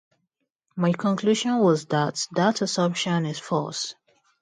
My conclusion was that that assumption is false.